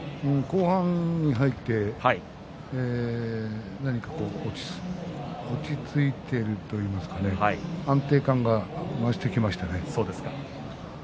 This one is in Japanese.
後半に入って何か落ち着いているといいますかね安定感が増してきましたね。